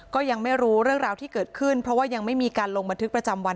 ก็ยังไม่รู้เรื่องราวที่เกิดขึ้นเพราะว่ายังไม่มีการลงบันทึกประจำวัน